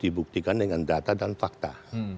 dibuktikan dengan data dan fakta